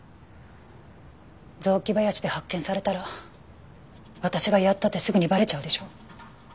雑木林で発見されたら私がやったってすぐにバレちゃうでしょ。